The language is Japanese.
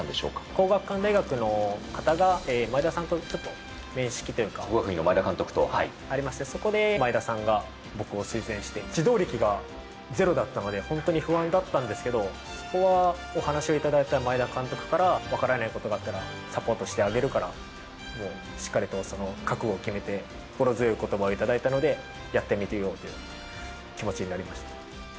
皇學館大学の方が前田さんと國學院の前田監督と。ありまして、そこで前田さんが僕を推薦して、指導歴がゼロだったので、本当に不安だったんですけど、そこはお話を頂いた前田監督から分からないことがあったらサポートしてあげるから、しっかりと覚悟を決めて心強いことばを頂いたので、やってみようという気持ちになりました。